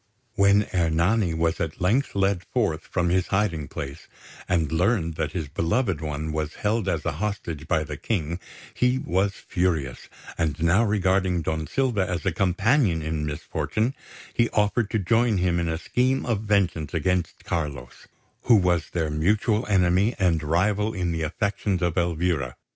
When Ernani was at length led forth from his hiding place, and learned that his beloved one was held as a hostage by the King, he was furious; and now regarding Don Silva as a companion in misfortune, he offered to join him in a scheme of vengeance against Carlos, who was their mutual enemy and rival in the affections of Elvira.